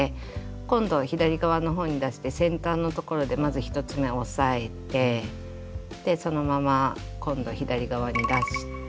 今度は左側の方に出して先端のところでまず１つ目押さえてそのまま今度左側に出して。